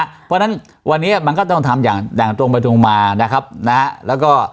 เพราะฉะนั้นวันนี้มันก็ต้องทำอย่างอย่างตรงไปตรงมานะครับนะฮะแล้วก็